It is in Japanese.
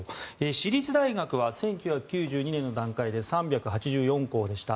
私立大学は１９９２年の段階で３８４校でした。